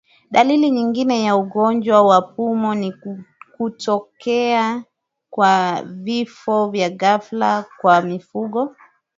Dalili nyingine ya ugonjwa wa pumu ni kutokea kwa vifo vya ghafla kwa mifugo